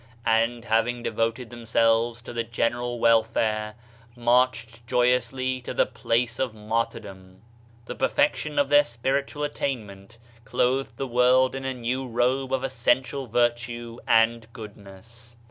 And having devoted themselves to the general wel fare, marched joyously to the place of martyrdom. The perfection of their spi ritual attainment clothed the world in a new robe of essential virtue and goodness.